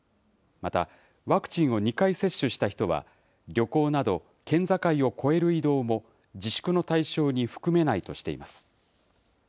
また、ワクチンを２回接種した人は、旅行など県境を越える移動も、自粛の対象に含めないとしています。